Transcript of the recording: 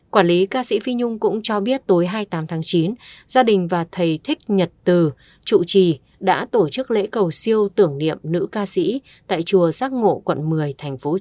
quản lý ca sĩ phi nhung cũng cho biết tối hai mươi tám tháng chín gia đình và thầy thích nhật từ trụ trì đã tổ chức lễ cầu siêu tưởng niệm nữ ca sĩ tại chùa sắc ngộ quận một mươi tp hcm